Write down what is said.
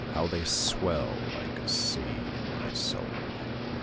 How they swell like a sea in my soul!